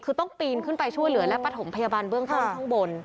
คือต้องปีนขึ้นไปช่วยเหลือและประถมพยาบาลเบื้องต้นข้างบน